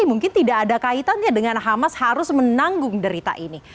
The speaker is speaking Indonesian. mungkin tidak ada kaitannya dengan hamas harus menanggung derita ini